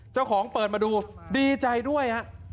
เจ้าของเปิดมาดูดีใจด้วยฮะ